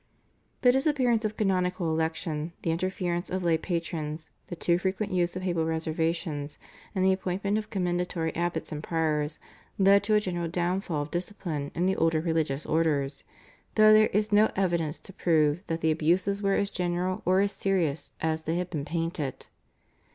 " The disappearance of canonical election, the interference of lay patrons, the too frequent use of papal reservations, and the appointment of commendatory abbots and priors, led to a general downfall of discipline in the older religious orders, though there is no evidence to prove that the abuses were as general or as serious as they have been painted.